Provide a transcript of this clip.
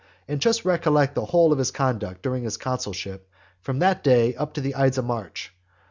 And just recollect the whole of his conduct during his consulship from that day up to the ides of March.